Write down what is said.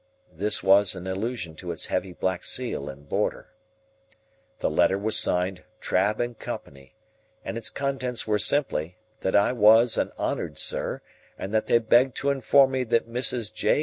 This was in allusion to its heavy black seal and border. The letter was signed Trabb & Co., and its contents were simply, that I was an honoured sir, and that they begged to inform me that Mrs. J.